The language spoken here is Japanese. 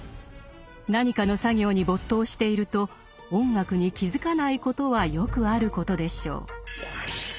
何かの作業に没頭していると音楽に気付かないことはよくあることでしょう。